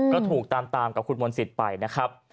ก็ถูกตามกับคุณมนต์สิทธิ์ไปนะครับ